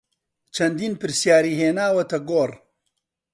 چەندین پرسیاری هێناوەتە گۆڕ